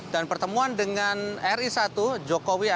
dan pertemuan dengan ri satu jokowi